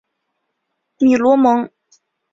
米罗蒙。